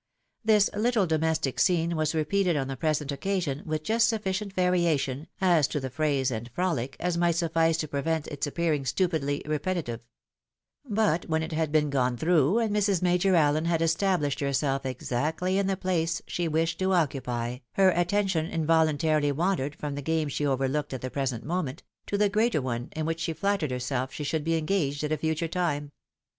This little domestic scene was repeated on the present occa sion, with just sufficient variation, as to the phrase and frolic, as might suSice to prevent its appearing stupidly repetitive ; but when it had been gone through, and Mrs. Major Allen had established herself exactly in the place she wished to occupy, 24 THE ■WIDOW MABKIED. her attention involuntary wandered from the game she over looked at the present moment, to the greater one, in which she flattered herself she should be engaged at a future time.